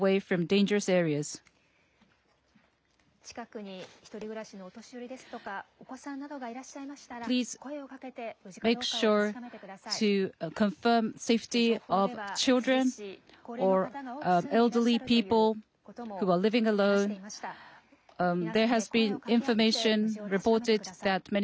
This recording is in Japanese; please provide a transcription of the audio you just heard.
近くに１人暮らしのお年寄りですとか、お子さんなどがいらっしゃいましたら、声をかけて、無事かどうかを確かめてください。